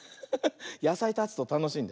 やさいたつとたのしいんだよ。